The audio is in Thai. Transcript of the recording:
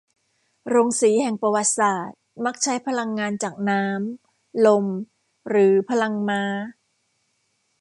โรงสีแห่งประวัติศาสตร์มักใช้พลังงานจากน้ำลมหรือพลังม้า